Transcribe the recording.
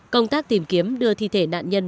công tác tìm kiếm đưa thi thể nạn nhân